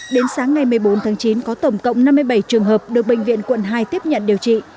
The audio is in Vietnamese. đến sáng ngày một mươi bốn tháng chín có tổng cộng năm mươi bảy trường hợp được bệnh viện quận hai tiếp nhận điều trị